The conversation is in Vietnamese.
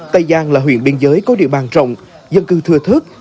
tây giang là huyện biên giới có địa bàn rộng dân cư thừa thức